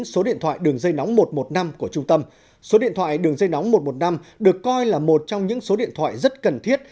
số điện thoại đường dây nóng một trăm một mươi năm được coi là một trong những số điện thoại rất cần thiết